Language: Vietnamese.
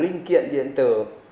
là linh kiện điện tử